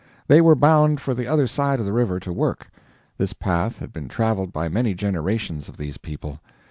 They were bound for the other side of the river to work. This path had been traveled by many generations of these people.